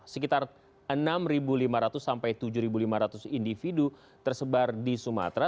sekitar enam lima ratus sampai tujuh lima ratus individu tersebar di sumatera